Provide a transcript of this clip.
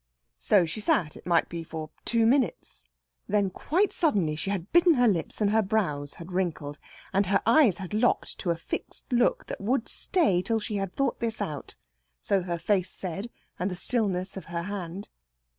So she sat, it might be for two minutes. Then, quite suddenly, she had bitten her lip and her brows had wrinkled. And her eyes had locked to a fixed look that would stay till she had thought this out. So her face said, and the stillness of her hand.